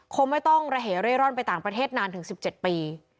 คงไม่ต้องระเหเร่ร่อนไปต่างประเทศนานถึง๑๗ปี